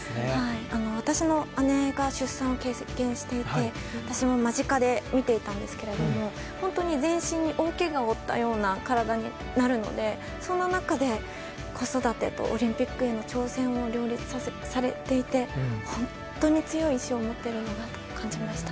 私の姉が出産を経験していて私も間近で見ていたんですけど本当に全身に大けがを負ったような体になるのでそんな中で子育てとオリンピックへの挑戦を両立されていて本当に強い意志を持っているんだなと感じました。